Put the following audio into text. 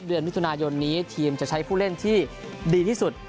เดือนมิถุนายนนี้ทีมจะใช้ผู้เล่นที่ดีที่สุด